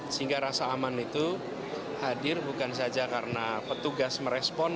sehingga rasa aman itu hadir bukan saja karena petugas merespon